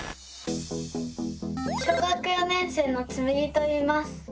小学４年生のつむぎといいます。